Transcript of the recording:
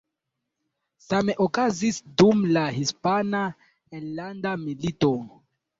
Same okazis dum la Hispana Enlanda Milito.